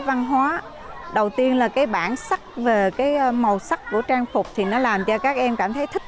văn hóa đầu tiên là cái bản sắc về cái màu sắc của trang phục thì nó làm cho các em cảm thấy thích